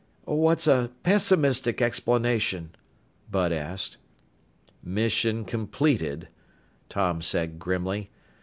"What's a pessimistic explanation?" Bud asked. "Mission completed," Tom said grimly.